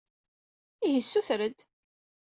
Ihi ssuter-d!